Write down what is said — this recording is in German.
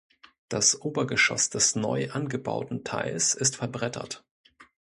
Das Obergeschoss des neu angebauten Teils ist verbrettert.